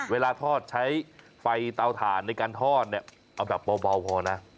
เวลาทอดใช้ไฟเตาถ่านในการทอดเนี่ยเอาแบบเบาพอนะ